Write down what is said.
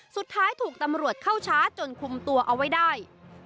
สุดท้ายถูกตำรวจเข้าช้าจนคุมตัวเอาไว้ได้